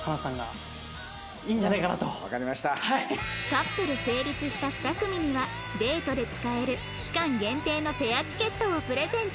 カップル成立した２組にはデートで使える期間限定のペアチケットをプレゼント